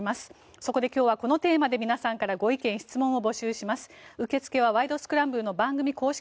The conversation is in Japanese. そこで今日はこのテーマで皆さんからご意見・ご質問を募集します。